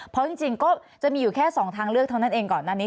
เพราะจริงก็จะมีอยู่แค่๒ทางเลือกเท่านั้นเองก่อนหน้านี้